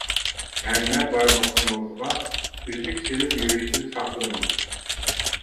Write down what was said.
ھەممە بارمىقىڭىزغا ئۈزۈك سېلىپ يۈرۈشتىن ساقلىنىڭ.